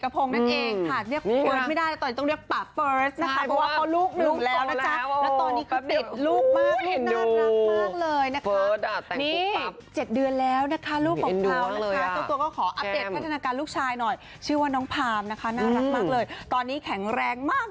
ไปดูต่อกันที่นุ่มล้อ